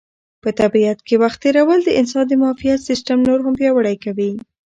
په طبیعت کې وخت تېرول د انسان د معافیت سیسټم نور هم پیاوړی کوي.